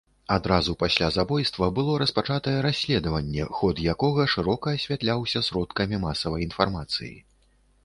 Адразу пасля забойства было распачатае расследаванне, ход якога шырока асвятляўся сродкамі масавай інфармацыі.